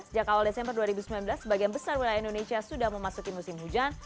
sejak awal desember dua ribu sembilan belas sebagian besar wilayah indonesia sudah memasuki musim hujan